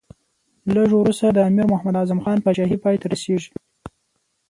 لږ وروسته د امیر محمد اعظم خان پاچهي پای ته رسېږي.